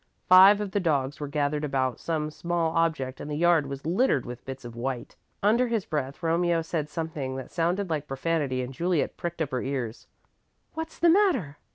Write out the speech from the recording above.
Five of the dogs were gathered about some small object and the yard was littered with bits of white. Under his breath Romeo said something that sounded like profanity, and Juliet pricked up her ears. "What's the matter?"